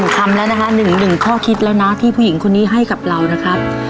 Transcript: คำแล้วนะคะ๑ข้อคิดแล้วนะที่ผู้หญิงคนนี้ให้กับเรานะครับ